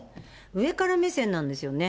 上から目線なんですよね。